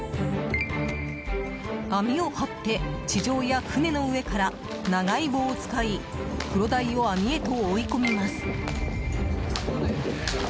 網を張って地上や船の上から長い棒を使いクロダイを網へと追い込みます。